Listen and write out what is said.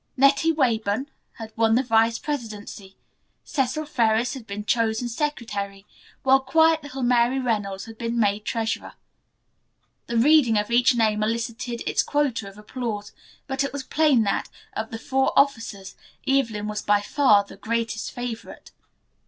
Nettie Weyburn had won the vice presidency, Cecil Ferris had been chosen secretary, while quiet little Mary Reynolds had been made treasurer. The reading of each name elicited its quota of applause, but it was plain that, of the four officers, Evelyn was, by far, the greatest favorite.